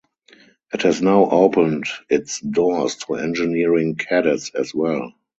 It has now opened its doors to engineering cadets as well.